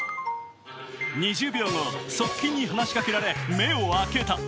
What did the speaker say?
２０秒後、側近に話しかけられ目を開けた。